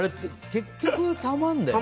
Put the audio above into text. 結局たまるんだよね。